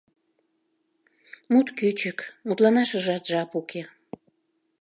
Мут кӱчык, мутланашыжат жап уке.